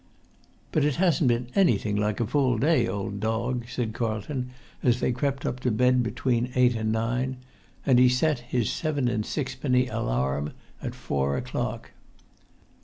"But it hasn't been anything like a full day, old dog," said Carlton, as they crept up to bed between eight and nine. And he set his seven and six penny alarum at four o'clock.